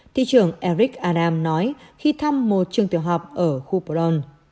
thị trưởng eric aram nói khi thăm một trường tiểu học ở khu boron